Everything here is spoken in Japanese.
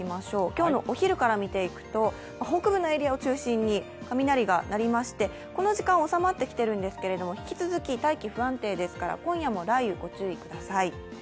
今日の昼から見ていくと、北部のエリアを中心に雷が鳴りまして、この時間収まってきているんですけど引き続き大気は不安定ですから今夜も雷雨、ご注意ください。